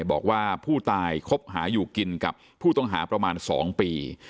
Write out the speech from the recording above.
บอกว่าผู้ตายคบหาอยู่กินกับผู้ต้องหาประมาณ๒ปี